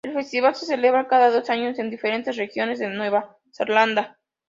El festival se celebra cada dos años en diferentes regiones de Nueva Zelanda.